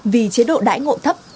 vì chế độ đãi ngộ thấp